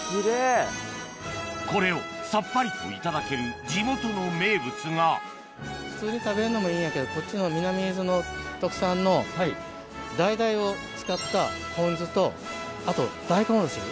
これをさっぱりといただける地元の名物が普通に食べんのもいいんやけどこっちの南伊豆の特産の橙を使ったポン酢とあと大根おろし。